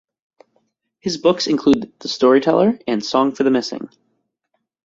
His books include "The Storyteller" and "Song for the Missing".